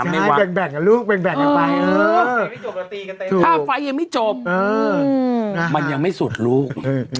มันยังไม่สุดลูก